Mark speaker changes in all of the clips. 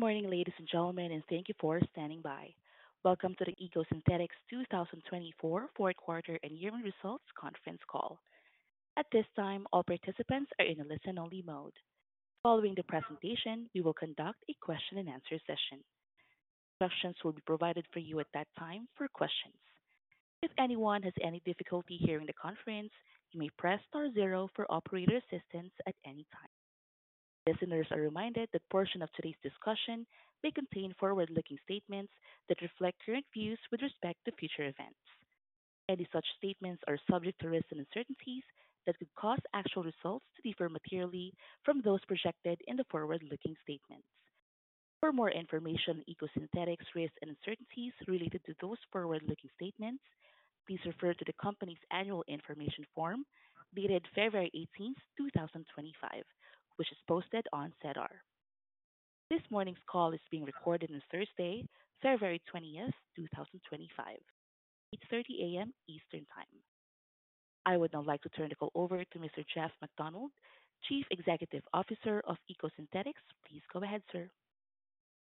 Speaker 1: Good morning, ladies and gentlemen, and thank you for standing by. Welcome to the EcoSynthetix 2024 Fourth Quarter and Year-end Results Conference call. At this time, all participants are in a listen-only mode. Following the presentation, we will conduct a question-and-answer session. Instructions will be provided for you at that time for questions. If anyone has any difficulty hearing the conference, you may press star zero for operator assistance at any time. Listeners are reminded that a portion of today's discussion may contain forward-looking statements that reflect current views with respect to future events. Any such statements are subject to risks and uncertainties that could cause actual results to differ materially from those projected in the forward-looking statements. For more information on EcoSynthetix risks and uncertainties related to those forward-looking statements, please refer to the company's annual information form dated February 18, 2025, which is posted on SEDAR. This morning's call is being recorded on Thursday, February 20, 2025, 8:30 A.M. Eastern Time. I would now like to turn the call over to Mr. Jeff MacDonald, Chief Executive Officer of EcoSynthetix. Please go ahead, sir.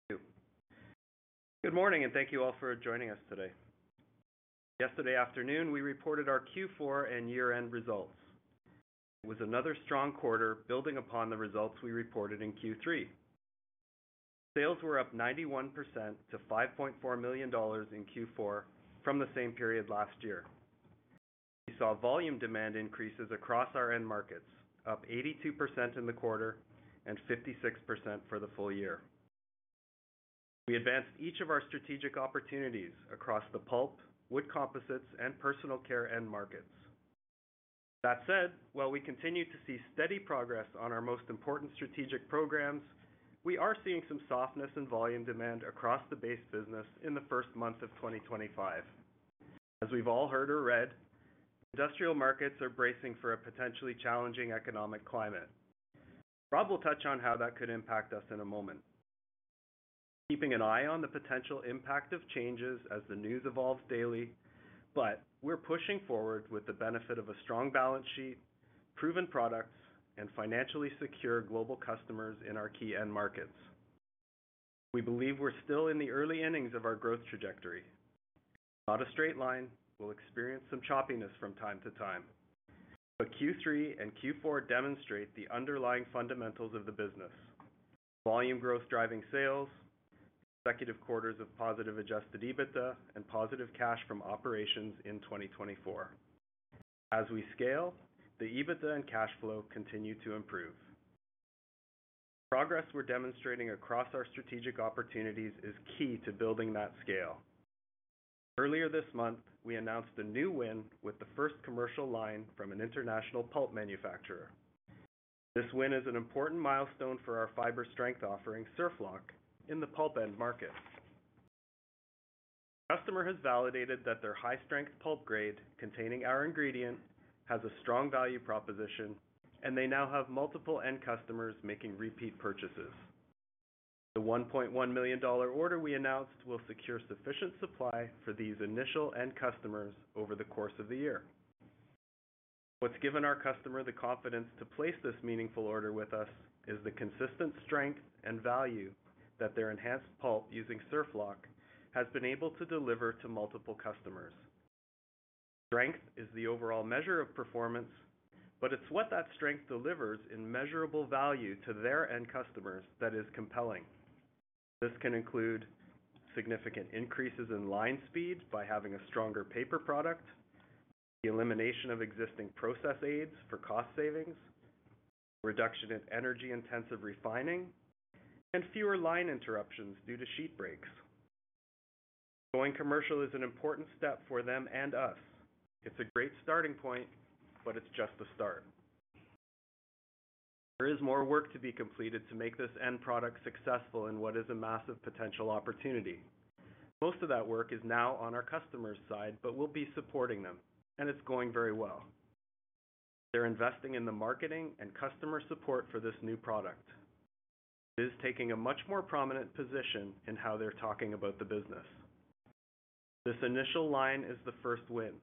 Speaker 2: Thank you. Good morning, and thank you all for joining us today. Yesterday afternoon, we reported our Q4 and year-end results. It was another strong quarter, building upon the results we reported in Q3. Sales were up 91% to $5.4 million in Q4 from the same period last year. We saw volume demand increases across our end markets, up 82% in the quarter and 56% for the full year. We advanced each of our strategic opportunities across the pulp, wood composites, and personal care end markets. That said, while we continue to see steady progress on our most important strategic programs, we are seeing some softness in volume demand across the base business in the first month of 2025. As we've all heard or read, industrial markets are bracing for a potentially challenging economic climate. Rob will touch on how that could impact us in a moment. We're keeping an eye on the potential impact of changes as the news evolves daily, but we're pushing forward with the benefit of a strong balance sheet, proven products, and financially secure global customers in our key end markets. We believe we're still in the early innings of our growth trajectory. It's not a straight line. We'll experience some choppiness from time to time. Q3 and Q4 demonstrate the underlying fundamentals of the business: volume growth driving sales, consecutive quarters of positive adjusted EBITDA, and positive cash from operations in 2024. As we scale, the EBITDA and cash flow continue to improve. The progress we're demonstrating across our strategic opportunities is key to building that scale. Earlier this month, we announced a new win with the first commercial line from an international pulp manufacturer. This win is an important milestone for our fiber-strength offering, SurfLock, in the pulp end market. The customer has validated that their high-strength pulp grade, containing our ingredient, has a strong value proposition, and they now have multiple end customers making repeat purchases. The $1.1 million order we announced will secure sufficient supply for these initial end customers over the course of the year. What's given our customer the confidence to place this meaningful order with us is the consistent strength and value that their enhanced pulp using SurfLock has been able to deliver to multiple customers. Strength is the overall measure of performance, but it's what that strength delivers in measurable value to their end customers that is compelling. This can include significant increases in line speed by having a stronger paper product, the elimination of existing process aids for cost savings, a reduction in energy-intensive refining, and fewer line interruptions due to sheet breaks. Going commercial is an important step for them and us. It's a great starting point, but it's just the start. There is more work to be completed to make this end product successful in what is a massive potential opportunity. Most of that work is now on our customer's side, but we'll be supporting them, and it's going very well. They're investing in the marketing and customer support for this new product. It is taking a much more prominent position in how they're talking about the business. This initial line is the first win.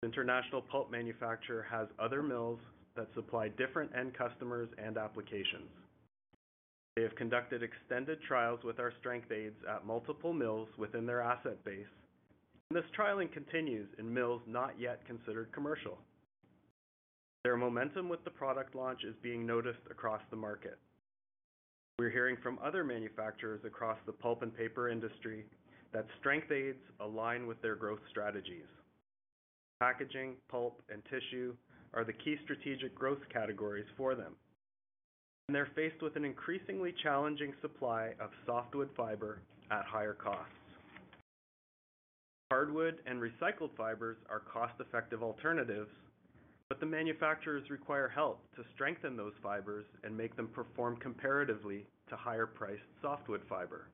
Speaker 2: This international pulp manufacturer has other mills that supply different end customers and applications. They have conducted extended trials with our strength aids at multiple mills within their asset base, and this trialing continues in mills not yet considered commercial. Their momentum with the product launch is being noticed across the market. We're hearing from other manufacturers across the pulp and paper industry that strength aids align with their growth strategies. Packaging, pulp, and tissue are the key strategic growth categories for them, and they're faced with an increasingly challenging supply of softwood fiber at higher costs. Hardwood and recycled fibers are cost-effective alternatives, but the manufacturers require help to strengthen those fibers and make them perform comparatively to higher-priced softwood fiber.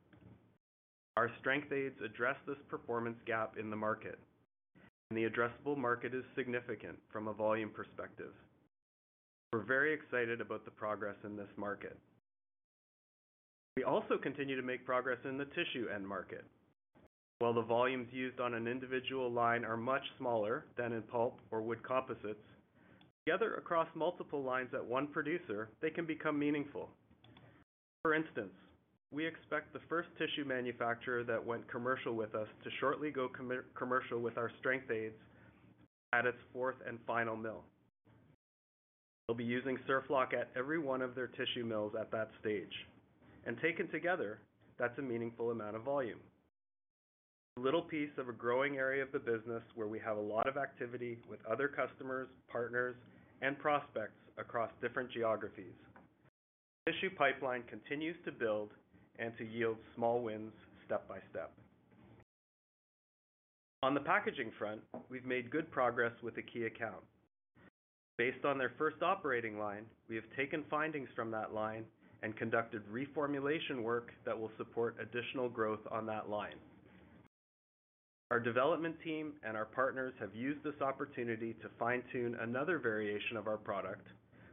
Speaker 2: Our strength aids address this performance gap in the market, and the addressable market is significant from a volume perspective. We're very excited about the progress in this market. We also continue to make progress in the tissue end market. While the volumes used on an individual line are much smaller than in pulp or wood composites, together across multiple lines at one producer, they can become meaningful. For instance, we expect the first tissue manufacturer that went commercial with us to shortly go commercial with our strength aids at its fourth and final mill. They will be using Surflock at every one of their tissue mills at that stage. Taken together, that is a meaningful amount of volume. It is a little piece of a growing area of the business where we have a lot of activity with other customers, partners, and prospects across different geographies. The tissue pipeline continues to build and to yield small wins step by step. On the packaging front, we have made good progress with the key account. Based on their first operating line, we have taken findings from that line and conducted reformulation work that will support additional growth on that line. Our development team and our partners have used this opportunity to fine-tune another variation of our product,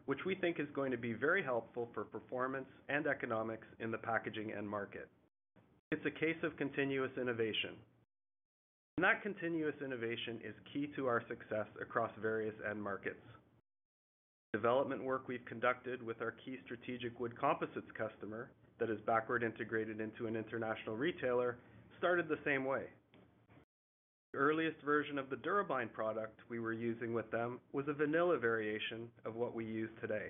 Speaker 2: which we think is going to be very helpful for performance and economics in the packaging end market. It is a case of continuous innovation. That continuous innovation is key to our success across various end markets. The development work we have conducted with our key strategic wood composites customer that is backward integrated into an international retailer started the same way. The earliest version of the DuraBind product we were using with them was a vanilla variation of what we use today.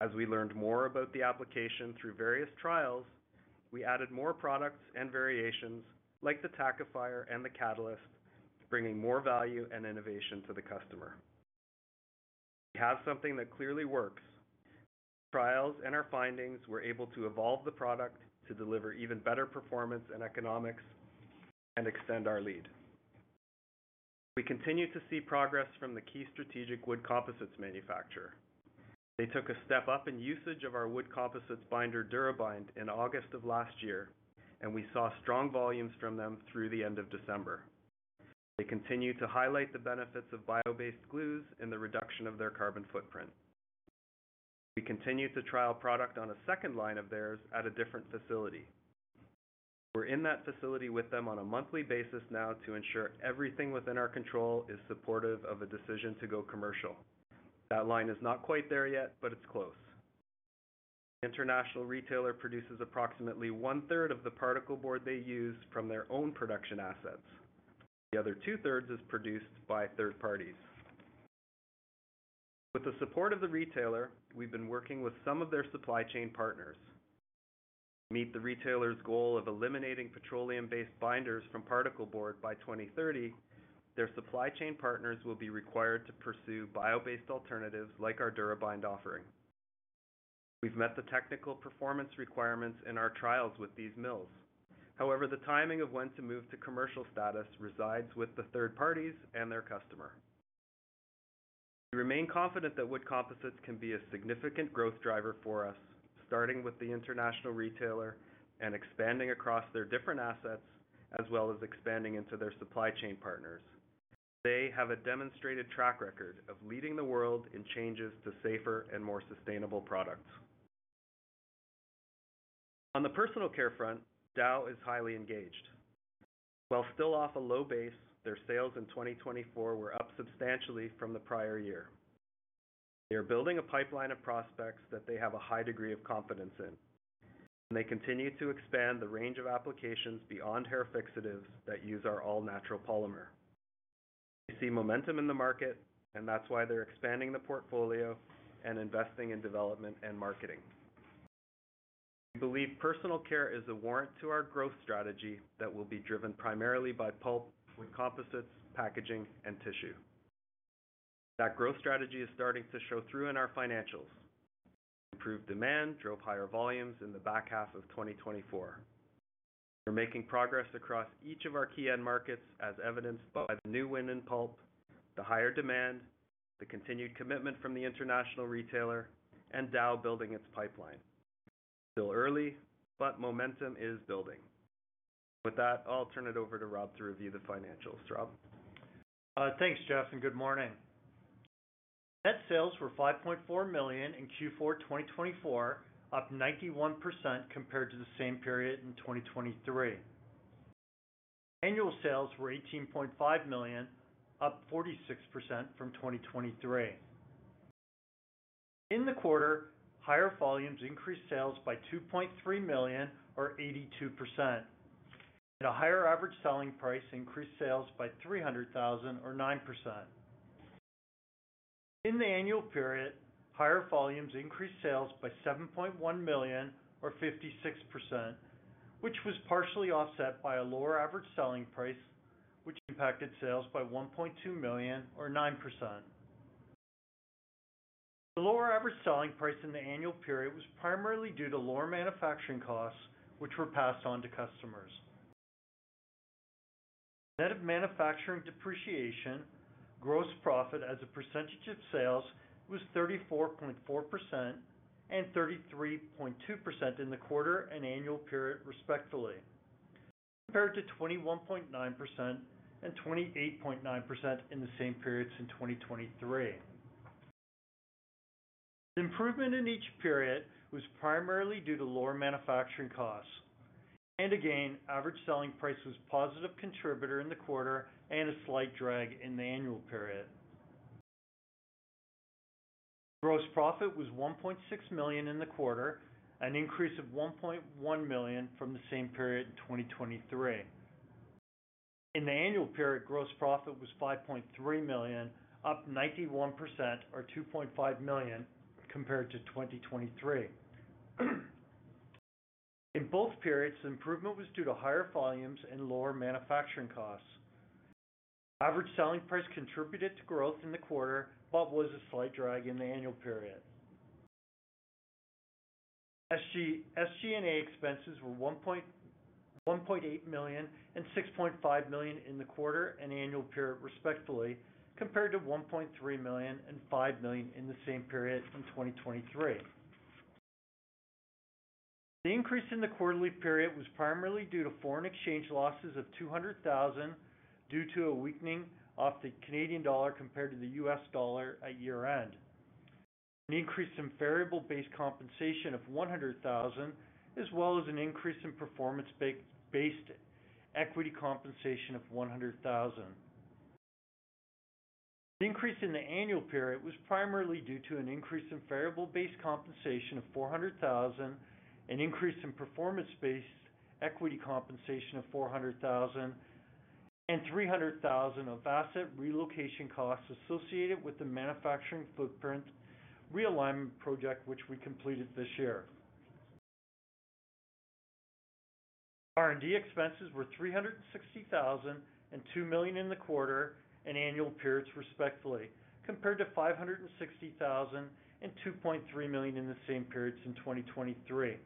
Speaker 2: As we learned more about the application through various trials, we added more products and variations like the tackifier and the catalyst, bringing more value and innovation to the customer. We have something that clearly works. Through trials and our findings, we're able to evolve the product to deliver even better performance and economics and extend our lead. We continue to see progress from the key strategic wood composites manufacturer. They took a step up in usage of our wood composites binder Durabind in August of last year, and we saw strong volumes from them through the end of December. They continue to highlight the benefits of bio-based glues and the reduction of their carbon footprint. We continue to trial product on a second line of theirs at a different facility. We're in that facility with them on a monthly basis now to ensure everything within our control is supportive of a decision to go commercial. That line is not quite there yet, but it's close. The international retailer produces approximately one-third of the particle board they use from their own production assets. The other two-thirds is produced by third parties. With the support of the retailer, we've been working with some of their supply chain partners. To meet the retailer's goal of eliminating petroleum-based binders from particle board by 2030, their supply chain partners will be required to pursue bio-based alternatives like our Durabind offering. We've met the technical performance requirements in our trials with these mills. However, the timing of when to move to commercial status resides with the third parties and their customer. We remain confident that wood composites can be a significant growth driver for us, starting with the international retailer and expanding across their different assets, as well as expanding into their supply chain partners. They have a demonstrated track record of leading the world in changes to safer and more sustainable products. On the personal care front, Dow is highly engaged. While still off a low base, their sales in 2024 were up substantially from the prior year. They are building a pipeline of prospects that they have a high degree of confidence in. They continue to expand the range of applications beyond hair fixatives that use our all-natural polymer. They see momentum in the market, and that's why they're expanding the portfolio and investing in development and marketing. We believe personal care is a warrant to our growth strategy that will be driven primarily by pulp, wood composites, packaging, and tissue. That growth strategy is starting to show through in our financials. Improved demand drove higher volumes in the back half of 2024. We're making progress across each of our key end markets, as evidenced by the new win in pulp, the higher demand, the continued commitment from the international retailer, and Dow building its pipeline. Still early, but momentum is building. With that, I'll turn it over to Rob to review the financials. Rob. Thanks, Jeff, and good morning. Net sales were $5.4 million in Q4 2024, up 91% compared to the same period in 2023. Annual sales were $18.5 million, up 46% from 2023. In the quarter, higher volumes increased sales by $2.3 million, or 82%. A higher average selling price increased sales by $300,000, or 9%. In the annual period, higher volumes increased sales by $7.1 million, or 56%, which was partially offset by a lower average selling price, which impacted sales by $1.2 million, or 9%. The lower average selling price in the annual period was primarily due to lower manufacturing costs, which were passed on to customers. Net of manufacturing depreciation, gross profit as a percentage of sales was 34.4% and 33.2% in the quarter and annual period, respectively, compared to 21.9% and 28.9% in the same periods in 2023. The improvement in each period was primarily due to lower manufacturing costs. Average selling price was a positive contributor in the quarter and a slight drag in the annual period. Gross profit was $1.6 million in the quarter, an increase of $1.1 million from the same period in 2023. In the annual period, gross profit was $5.3 million, up 91%, or $2.5 million compared to 2023. In both periods, the improvement was due to higher volumes and lower manufacturing costs. Average selling price contributed to growth in the quarter, but was a slight drag in the annual period. SG&A expenses were $1.8 million and $6.5 million in the quarter and annual period, respectively, compared to $1.3 million and $5 million in the same period in 2023. The increase in the quarterly period was primarily due to foreign exchange losses of $200,000 due to a weakening of the Canadian dollar compared to the US dollar at year-end. An increase in variable-based compensation of $100,000, as well as an increase in performance-based equity compensation of $100,000. The increase in the annual period was primarily due to an increase in variable-based compensation of $400,000, an increase in performance-based equity compensation of $400,000, and $300,000 of asset relocation costs associated with the manufacturing footprint realignment project, which we completed this year. R&D expenses were $360,000 and $2 million in the quarter and annual periods, respectively, compared to $560,000 and $2.3 million in the same periods in 2023.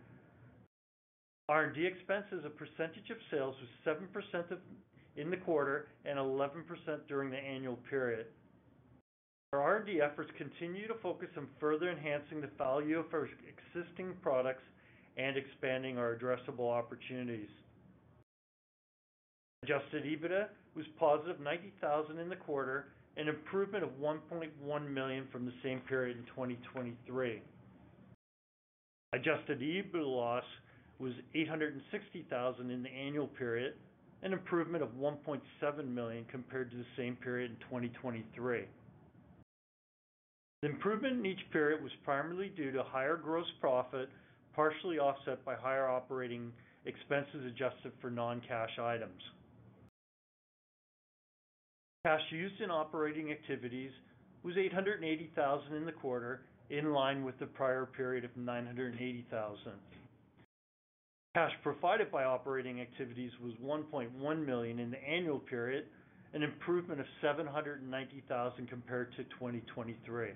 Speaker 2: R&D expenses, as a percentage of sales, was 7% in the quarter and 11% during the annual period. Our R&D efforts continue to focus on further enhancing the value of our existing products and expanding our addressable opportunities. Adjusted EBITDA was positive $90,000 in the quarter and an improvement of $1.1 million from the same period in 2023. Adjusted EBITDA loss was $860,000 in the annual period, an improvement of $1.7 million compared to the same period in 2023. The improvement in each period was primarily due to higher gross profit, partially offset by higher operating expenses adjusted for non-cash items. Cash used in operating activities was 880,000 in the quarter, in line with the prior period of 980,000. Cash provided by operating activities was 1.1 million in the annual period, an improvement of 790,000 compared to 2023.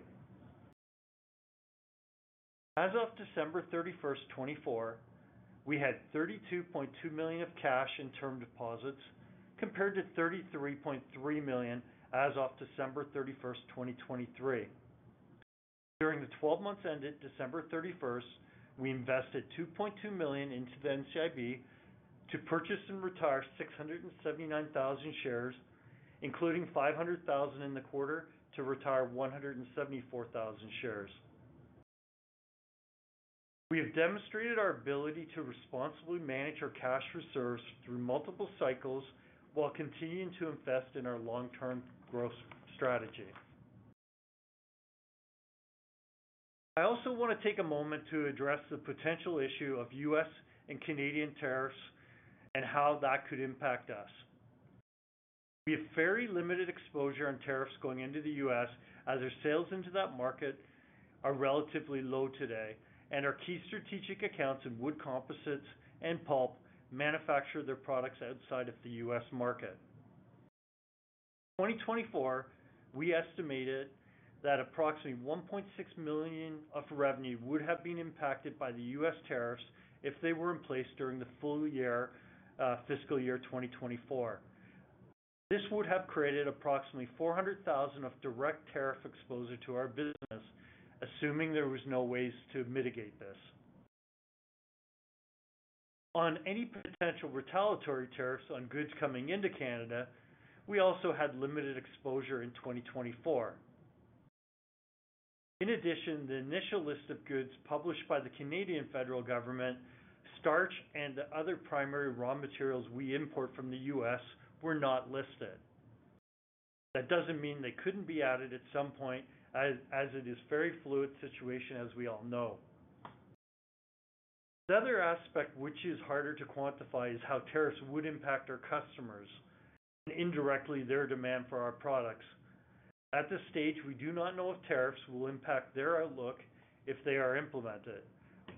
Speaker 2: As of December 31, 2024, we had 32.2 million of cash in term deposits compared to 33.3 million as of December 31, 2023. During the 12-month period ended December 31, we invested 2.2 million into the NCIB to purchase and retire 679,000 shares, including 500,000 in the quarter to retire 174,000 shares. We have demonstrated our ability to responsibly manage our cash reserves through multiple cycles while continuing to invest in our long-term growth strategy. I also want to take a moment to address the potential issue of U.S. and Canadian tariffs and how that could impact us. We have very limited exposure on tariffs going into the U.S., as our sales into that market are relatively low today, and our key strategic accounts in wood composites and pulp manufacture their products outside of the U.S. market. In 2024, we estimated that approximately $1.6 million of revenue would have been impacted by the U.S. tariffs if they were in place during the full year, fiscal year 2024. This would have created approximately $400,000 of direct tariff exposure to our business, assuming there were no ways to mitigate this. On any potential retaliatory tariffs on goods coming into Canada, we also had limited exposure in 2024. In addition, the initial list of goods published by the Canadian federal government, starch, and the other primary raw materials we import from the US were not listed. That does not mean they could not be added at some point, as it is a very fluid situation, as we all know. The other aspect, which is harder to quantify, is how tariffs would impact our customers and indirectly their demand for our products. At this stage, we do not know if tariffs will impact their outlook if they are implemented,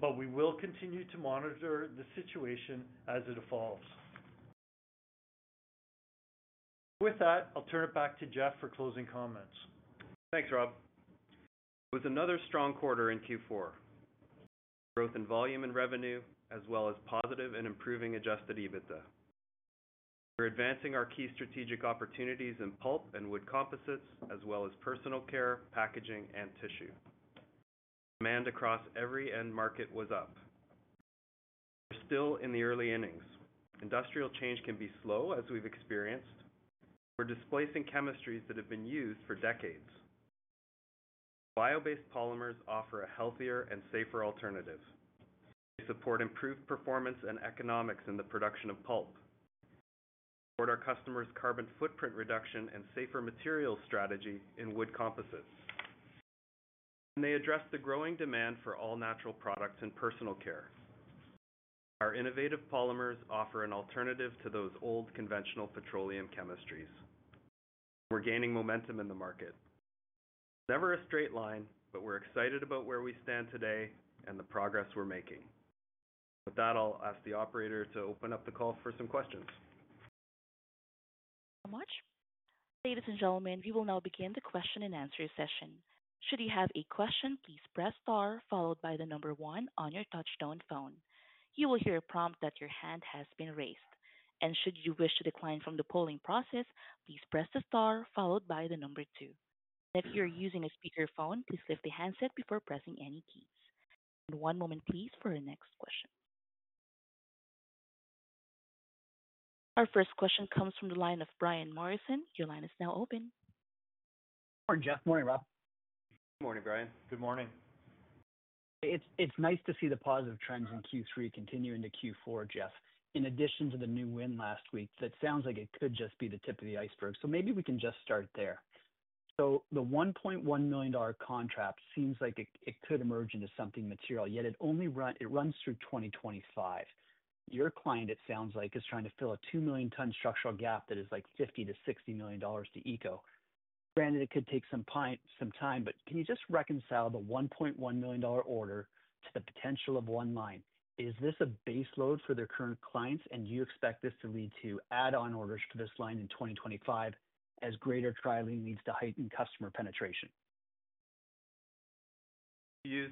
Speaker 2: but we will continue to monitor the situation as it evolves. With that, I will turn it back to Jeff for closing comments. Thanks, Rob. It was another strong quarter in Q4, growth in volume and revenue, as well as positive and improving adjusted EBITDA. We're advancing our key strategic opportunities in pulp and wood composites, as well as personal care, packaging, and tissue. Demand across every end market was up. We're still in the early innings. Industrial change can be slow, as we've experienced. We're displacing chemistries that have been used for decades. Bio-based polymers offer a healthier and safer alternative. They support improved performance and economics in the production of pulp. They support our customers' carbon footprint reduction and safer materials strategy in wood composites. They address the growing demand for all-natural products in personal care. Our innovative polymers offer an alternative to those old conventional petroleum chemistries. We're gaining momentum in the market. It's never a straight line, but we're excited about where we stand today and the progress we're making. With that, I'll ask the operator to open up the call for some questions. Thank you so much.
Speaker 1: Ladies and gentlemen, we will now begin the question and answer session. Should you have a question, please press star, followed by the number one on your touch-tone phone. You will hear a prompt that your hand has been raised. Should you wish to decline from the polling process, please press the star, followed by the number two. If you're using a speakerphone, please lift the handset before pressing any keys. One moment, please, for our next question. Our first question comes from the line of Brian Morrison. Your line is now open.
Speaker 3: Morning, Jeff. Morning, Rob. Morning, Brian. Good morning. It's nice to see the positive trends in Q3 continuing to Q4, Jeff, in addition to the new win last week. That sounds like it could just be the tip of the iceberg. Maybe we can just start there. The $1.1 million contract seems like it could emerge into something material, yet it runs through 2025. Your client, it sounds like, is trying to fill a 2 million-ton structural gap that is like $50 million-$60 million to Eco. Granted, it could take some time, but can you just reconcile the $1.1 million order to the potential of one line? Is this a baseload for their current clients, and do you expect this to lead to add-on orders for this line in 2025 as greater trialing leads to heightened customer penetration? You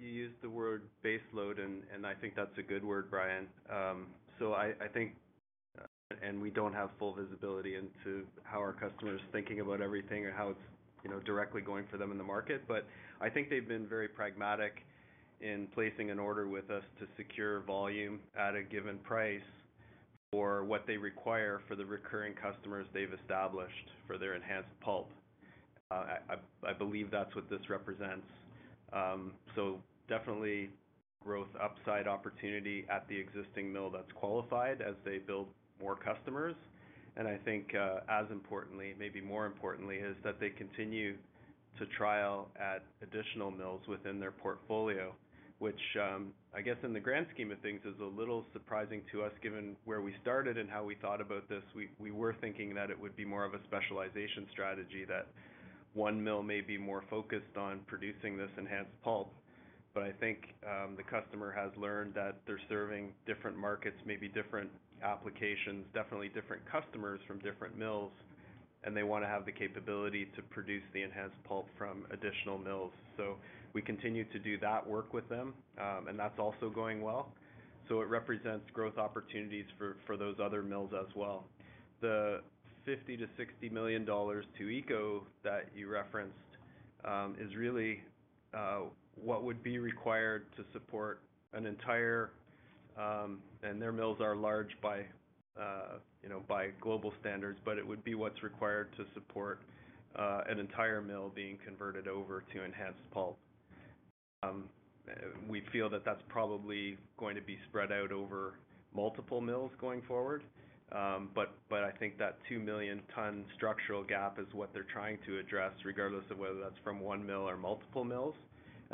Speaker 3: used the word baseload, and I think that's a good word, Brian. I think we don't have full visibility into how our customer is thinking about everything or how it's directly going for them in the market. I think they've been very pragmatic in placing an order with us to secure volume at a given price for what they require for the recurring customers they've established for their enhanced pulp. I believe that's what this represents. Definitely growth upside opportunity at the existing mill that's qualified as they build more customers. I think, as importantly, maybe more importantly, is that they continue to trial at additional mills within their portfolio, which, I guess, in the grand scheme of things, is a little surprising to us given where we started and how we thought about this. We were thinking that it would be more of a specialization strategy, that one mill may be more focused on producing this enhanced pulp. I think the customer has learned that they're serving different markets, maybe different applications, definitely different customers from different mills, and they want to have the capability to produce the enhanced pulp from additional mills. We continue to do that work with them, and that's also going well. It represents growth opportunities for those other mills as well. The $50-$60 million to Eco that you referenced is really what would be required to support an entire, and their mills are large by global standards, but it would be what's required to support an entire mill being converted over to enhanced pulp. We feel that that's probably going to be spread out over multiple mills going forward. I think that 2 million-ton structural gap is what they're trying to address, regardless of whether that's from one mill or multiple mills.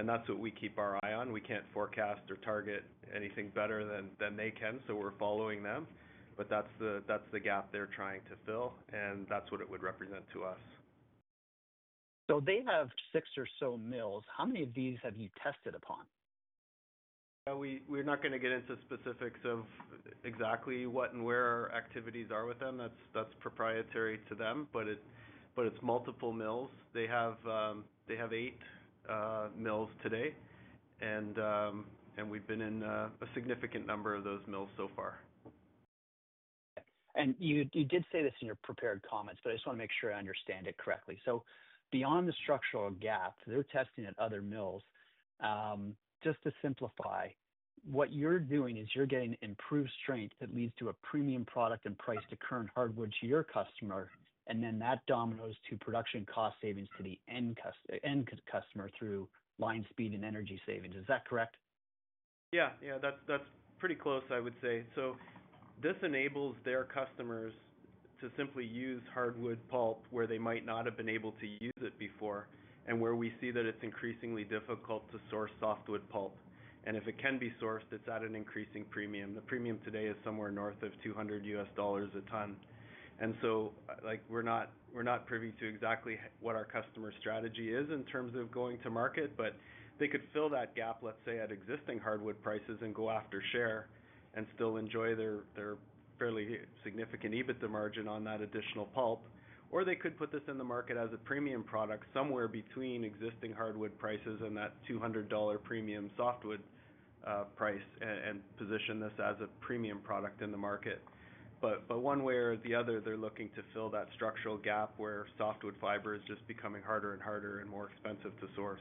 Speaker 3: That is what we keep our eye on. We cannot forecast or target anything better than they can, so we are following them. That is the gap they are trying to fill, and that is what it would represent to us.
Speaker 2: They have six or so mills. How many of these have you tested upon?
Speaker 3: We are not going to get into specifics of exactly what and where our activities are with them. That is proprietary to them, but it is multiple mills. They have eight mills today, and we have been in a significant number of those mills so far. You did say this in your prepared comments, but I just want to make sure I understand it correctly. Beyond the structural gap, they are testing at other mills. Just to simplify, what you're doing is you're getting improved strength that leads to a premium product and price to current hardwood to your customer, and then that dominoes to production cost savings to the end customer through line speed and energy savings. Is that correct?
Speaker 2: Yeah. Yeah. That's pretty close, I would say. This enables their customers to simply use hardwood pulp where they might not have been able to use it before, and where we see that it's increasingly difficult to source softwood pulp. If it can be sourced, it's at an increasing premium. The premium today is somewhere north of $200 a ton. We are not privy to exactly what our customer strategy is in terms of going to market, but they could fill that gap, let's say, at existing hardwood prices and go after share and still enjoy their fairly significant EBITDA margin on that additional pulp. They could put this in the market as a premium product somewhere between existing hardwood prices and that $200 premium softwood price and position this as a premium product in the market. One way or the other, they are looking to fill that structural gap where softwood fiber is just becoming harder and harder and more expensive to source.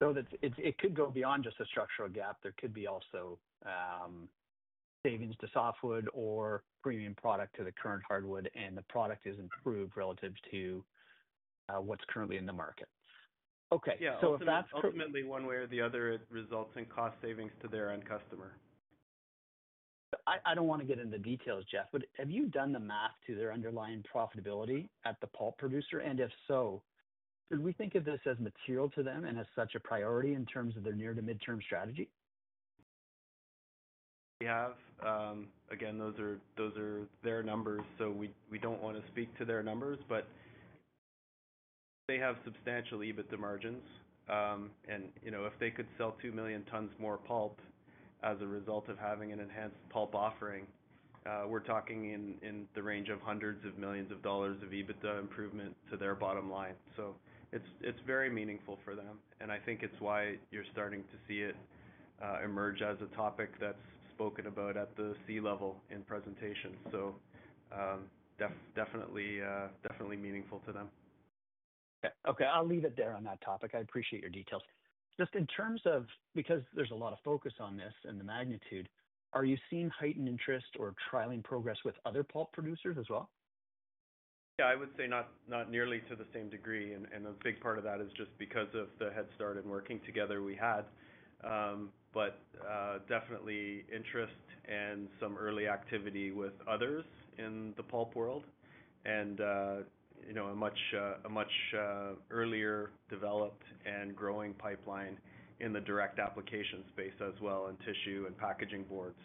Speaker 2: It could go beyond just a structural gap. There could also be savings to softwood or premium product to the current hardwood, and the product is improved relative to what is currently in the market.
Speaker 3: Okay. If that is true. Yeah.
Speaker 2: Ultimately, one way or the other, it results in cost savings to their end customer.
Speaker 3: I don't want to get into details, Jeff, but have you done the math to their underlying profitability at the pulp producer? And if so, should we think of this as material to them and as such a priority in terms of their near-to-mid-term strategy?
Speaker 2: We have. Again, those are their numbers, so we don't want to speak to their numbers, but they have substantial EBITDA margins. If they could sell 2 million tons more pulp as a result of having an enhanced pulp offering, we're talking in the range of hundreds of millions of dollars of EBITDA improvement to their bottom line. It is very meaningful for them, and I think it's why you're starting to see it emerge as a topic that's spoken about at the C level in presentations. Definitely meaningful to them.
Speaker 3: Okay. I'll leave it there on that topic. I appreciate your details. Just in terms of, because there's a lot of focus on this and the magnitude, are you seeing heightened interest or trialing progress with other pulp producers as well?
Speaker 2: Yeah. I would say not nearly to the same degree. A big part of that is just because of the head start and working together we had. Definitely interest and some early activity with others in the pulp world and a much earlier developed and growing pipeline in the direct application space as well in tissue and packaging boards.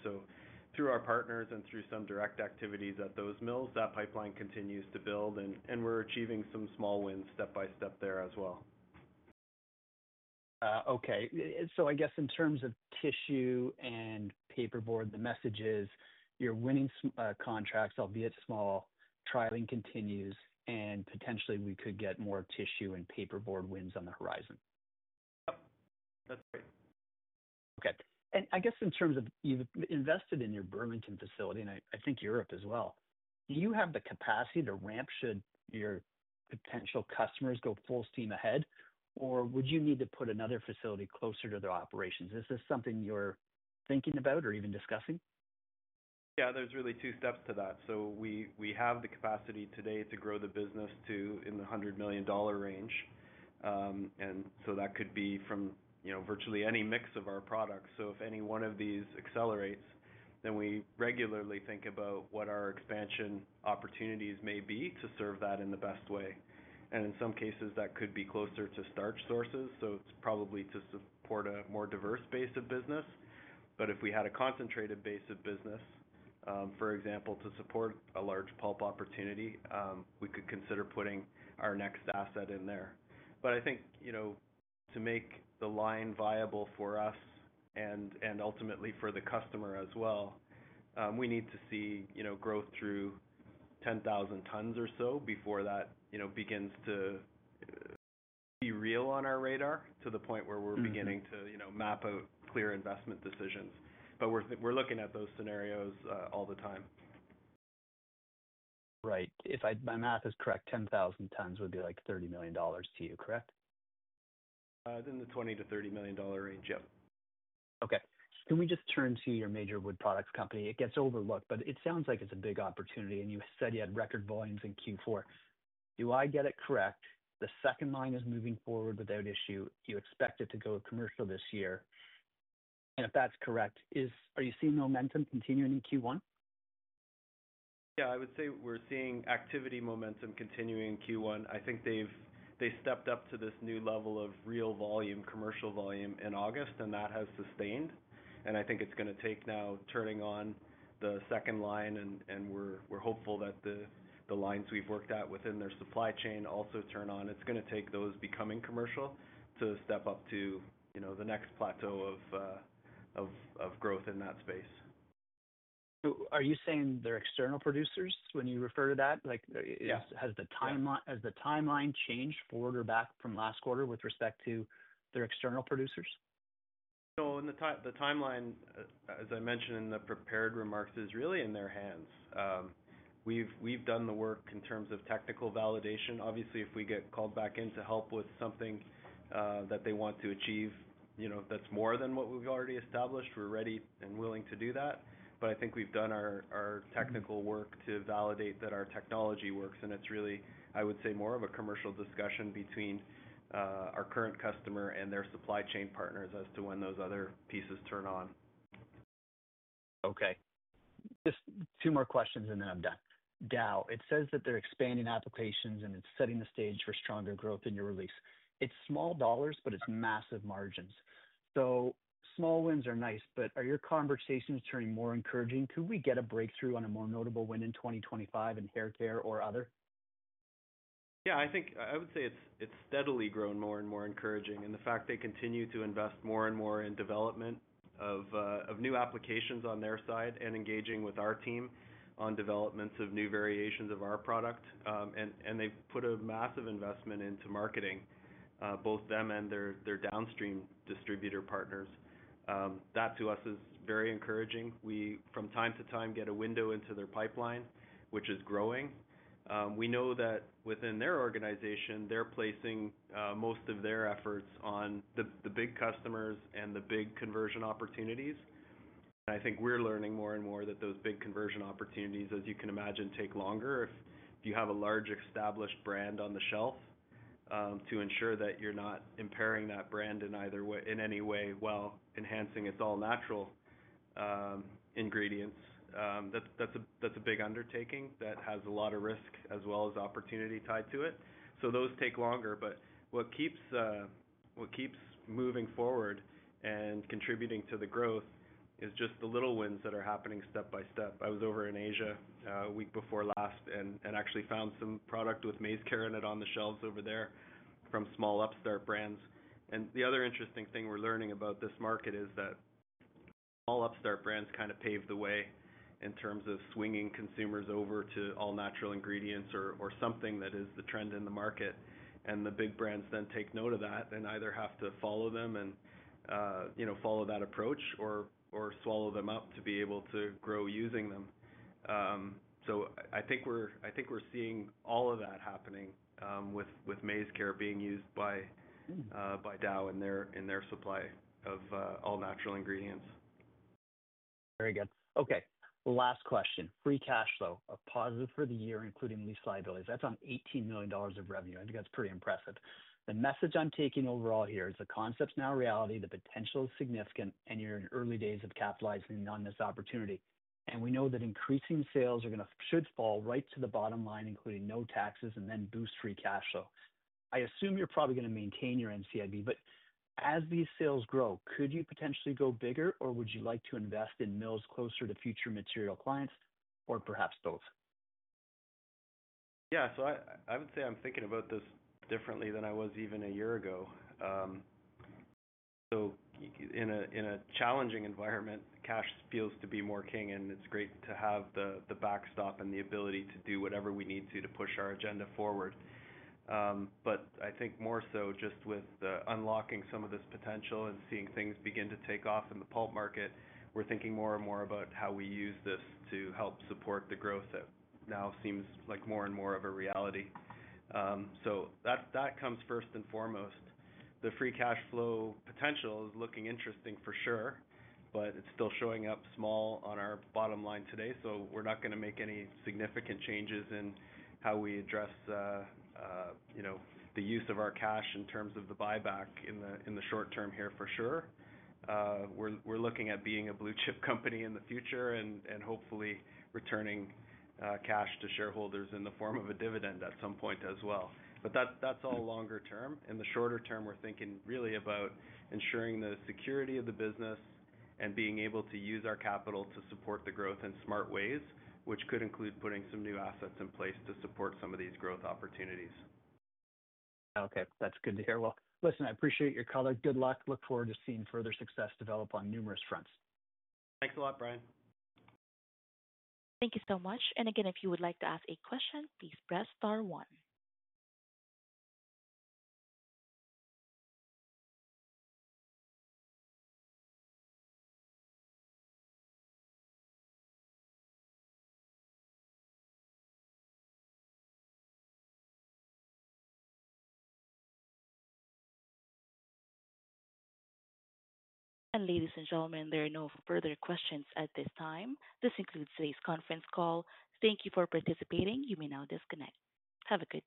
Speaker 2: Through our partners and through some direct activities at those mills, that pipeline continues to build, and we're achieving some small wins step by step there as well.
Speaker 3: Okay. I guess in terms of tissue and paperboard, the message is you're winning contracts, albeit small, trialing continues, and potentially we could get more tissue and paperboard wins on the horizon.
Speaker 2: Yep. That's right.
Speaker 3: Okay. I guess in terms of you've invested in your Burlington facility, and I think Europe as well. Do you have the capacity to ramp your potential customers go full steam ahead, or would you need to put another facility closer to their operations? Is this something you're thinking about or even discussing?
Speaker 2: Yeah. There's really two steps to that. We have the capacity today to grow the business to in the $100 million range. That could be from virtually any mix of our products. If any one of these accelerates, then we regularly think about what our expansion opportunities may be to serve that in the best way. In some cases, that could be closer to starch sources. It is probably to support a more diverse base of business. If we had a concentrated base of business, for example, to support a large pulp opportunity, we could consider putting our next asset in there. I think to make the line viable for us and ultimately for the customer as well, we need to see growth through 10,000 tons or so before that begins to be real on our radar to the point where we are beginning to map out clear investment decisions. We are looking at those scenarios all the time.
Speaker 3: Right. If my math is correct, 10,000 tons would be like $30 million to you, correct? In the $20 million-$30 million range,
Speaker 2: yep.
Speaker 3: Okay. Can we just turn to your major wood products company? It gets overlooked, but it sounds like it's a big opportunity, and you said you had record volumes in Q4. Do I get it correct? The second line is moving forward without issue. You expect it to go commercial this year. If that's correct, are you seeing momentum continuing in Q1?
Speaker 2: Yeah. I would say we're seeing activity momentum continuing in Q1. I think they stepped up to this new level of real volume, commercial volume in August, and that has sustained. I think it's going to take now turning on the second line, and we're hopeful that the lines we've worked at within their supply chain also turn on. It's going to take those becoming commercial to step up to the next plateau of growth in that space.
Speaker 3: Are you saying their external producers when you refer to that? Has the timeline changed forward or back from last quarter with respect to their external producers?
Speaker 2: No. The timeline, as I mentioned in the prepared remarks, is really in their hands. We've done the work in terms of technical validation. Obviously, if we get called back in to help with something that they want to achieve that's more than what we've already established, we're ready and willing to do that. I think we've done our technical work to validate that our technology works. It's really, I would say, more of a commercial discussion between our current customer and their supply chain partners as to when those other pieces turn on.
Speaker 3: Okay. Just two more questions, and then I'm done. Dow, it says that they're expanding applications, and it's setting the stage for stronger growth in your release. It's small dollars, but it's massive margins. Small wins are nice, but are your conversations turning more encouraging? Could we get a breakthrough on a more notable win in 2025 in haircare or other?
Speaker 2: Yeah. I would say it's steadily grown more and more encouraging. The fact they continue to invest more and more in development of new applications on their side and engaging with our team on developments of new variations of our product. They have put a massive investment into marketing, both them and their downstream distributor partners. That, to us, is very encouraging. We, from time to time, get a window into their pipeline, which is growing. We know that within their organization, they're placing most of their efforts on the big customers and the big conversion opportunities. I think we're learning more and more that those big conversion opportunities, as you can imagine, take longer if you have a large established brand on the shelf to ensure that you're not impairing that brand in any way while enhancing its all-natural ingredients. That's a big undertaking that has a lot of risk as well as opportunity tied to it. Those take longer. What keeps moving forward and contributing to the growth is just the little wins that are happening step by step. I was over in Asia a week before last and actually found some product with MaizeCare on the shelves over there from small upstart brands. The other interesting thing we're learning about this market is that small upstart brands kind of pave the way in terms of swinging consumers over to all-natural ingredients or something that is the trend in the market. The big brands then take note of that and either have to follow them and follow that approach or swallow them up to be able to grow using them. I think we're seeing all of that happening with MaizeCaronate being used by Dow in their supply of all-natural ingredients.
Speaker 3: Very good. Okay. Last question. Free cash flow, a positive for the year, including lease liabilities. That's on $18 million of revenue. I think that's pretty impressive. The message I'm taking overall here is the concept's now a reality. The potential is significant, and you're in early days of capitalizing on this opportunity. We know that increasing sales should fall right to the bottom line, including no taxes, and then boost free cash flow. I assume you're probably going to maintain your NCIB, but as these sales grow, could you potentially go bigger, or would you like to invest in mills closer to future material clients, or perhaps both? Yeah. I would say I'm thinking about this differently than I was even a year ago. In a challenging environment, cash feels to be more king, and it's great to have the backstop and the ability to do whatever we need to to push our agenda forward. I think more so just with unlocking some of this potential and seeing things begin to take off in the pulp market, we're thinking more and more about how we use this to help support the growth that now seems like more and more of a reality. That comes first and foremost. The free cash flow potential is looking interesting for sure, but it's still showing up small on our bottom line today. We're not going to make any significant changes in how we address the use of our cash in terms of the buyback in the short term here for sure. We're looking at being a blue-chip company in the future and hopefully returning cash to shareholders in the form of a dividend at some point as well. That's all longer term. In the shorter term, we're thinking really about ensuring the security of the business and being able to use our capital to support the growth in smart ways, which could include putting some new assets in place to support some of these growth opportunities. Okay. That's good to hear. Listen, I appreciate your color. Good luck. Look forward to seeing further success develop on numerous fronts.
Speaker 2: Thanks a lot, Brian.
Speaker 1: Thank you so much. Again, if you would like to ask a question, please press star one. Ladies and gentlemen, there are no further questions at this time. This concludes today's conference call. Thank you for participating. You may now disconnect. Have a good day.